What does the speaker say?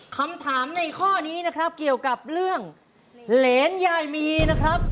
คำถามในข้อนี้นะครับเกี่ยวกับเรื่องเหรนยายมีนะครับ